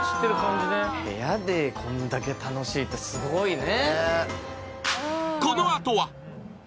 部屋でこれだけ楽しいと、すごいね。